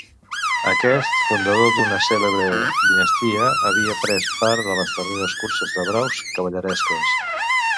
Aquest, fundador d'una cèlebre dinastia, havia pres part de les darreres curses de braus cavalleresques.